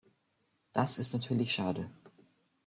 Das ist natürlich schade.